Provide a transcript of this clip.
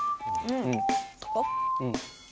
うん。